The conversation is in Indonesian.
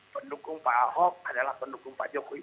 pendukung pak ahok adalah pendukung pak jokowi